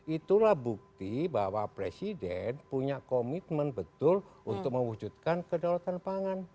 itulah bukti bahwa presiden punya komitmen betul untuk mewujudkan kedaulatan pangan